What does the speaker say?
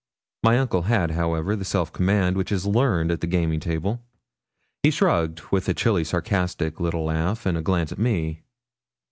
My uncle had, however, the self command which is learned at the gaming table. He shrugged, with a chilly, sarcastic, little laugh, and a glance at me.